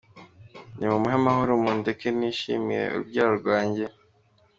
Nimumuhe amahoro mundeke nishimire urubyaro rwanjye.